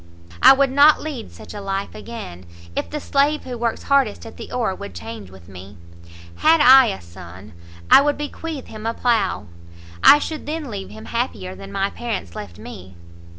I would not lead such a life again, if the slave who works hardest at the oar would change with me. Had I a son, I would bequeath him a plough; I should then leave him happier than my parents left me.